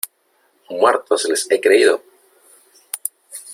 ¡ muertos les he creído !